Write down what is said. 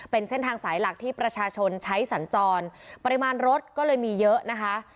เป็นเส้นทางสายหลักที่ประชาชนใช้สัญจรปริมาณรถก็เลยมีเยอะนะคะ